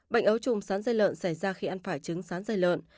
bệnh ấu trùng sán dây lợn xảy ra khi ăn phải trứng sán dây lợn